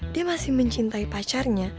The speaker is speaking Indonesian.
dia masih mencintai pacarnya